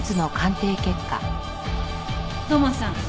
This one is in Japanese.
土門さん